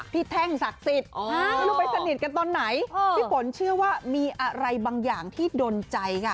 แท่งศักดิ์สิทธิ์ไม่รู้ไปสนิทกันตอนไหนพี่ฝนเชื่อว่ามีอะไรบางอย่างที่ดนใจค่ะ